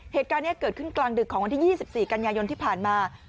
เหตุการณ์นี้เกิดขึ้นกลางดึกของวันที่๒๔กันยายนที่ผ่านมา